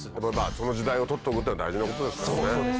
その時代を取っとくっていうのは大事なことですからね。